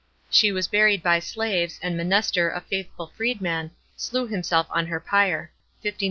She was buried by slaves, and Mnester a faithful freedman, slew himself on her pyre (59 A.D.).